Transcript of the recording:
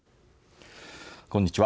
こんにちは。